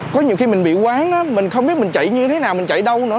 có nhiều khi mình bị quán mình không biết mình chạy như thế nào mình chạy đâu nữa